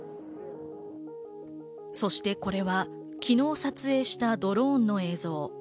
そして、これは昨日撮影したドローンの映像。